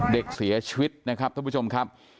เด็กเสียชีวิตนะครับท่านผู้ชมครับ